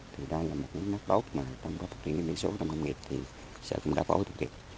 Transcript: thì đây là một nốt tốt mà trong các tỉnh nguyên số trong công nghiệp thì sẽ cũng đã phối hợp được